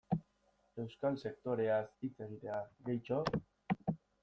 Euskal sektoreaz hitz egitea, gehitxo?